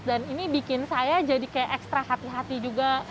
dan ini bikin saya jadi kayak ekstra hati hati juga